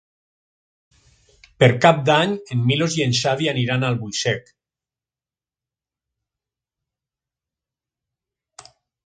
Per Cap d'Any en Milos i en Xavi aniran a Albuixec.